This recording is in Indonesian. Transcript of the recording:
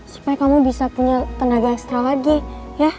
supaya kamu bisa punya tenaga ekstra lagi ya